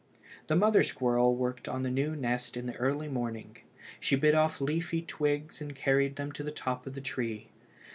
The mother squirrel worked on the new nest in the early morning. She bit off leafy twigs and carried them to the top of the tree.